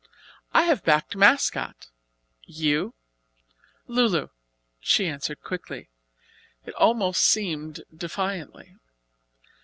I have backed 'Mascot'; you?" "'Lu Lu'" she answered quickly it almost seemed defiantly.